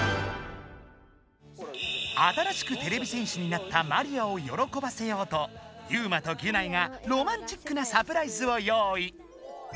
新しくてれび戦士になったマリアをよろこばせようとユウマとギュナイがロマンチックなサプライズを用意。